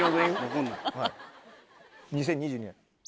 ２０２２年。